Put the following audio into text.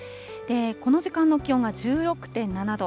この時間の気温が１６．７度。